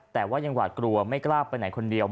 แต่ว่ายังหวาดกลัวไม่กล้าไปไหนคนเดียว